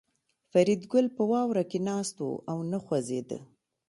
فریدګل په واوره کې ناست و او نه خوځېده